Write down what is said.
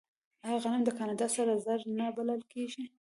آیا غنم د کاناډا سره زر نه بلل کیږي؟